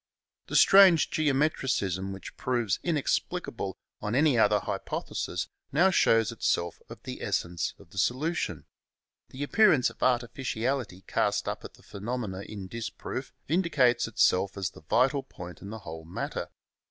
The strange geometricism which proves inexplicable on any other hypothesis now shows itself of the essence of the solution. The ap pearance of artificiality cast up at the phenomena in disproof vindicates itself as the vital point in the whole matter.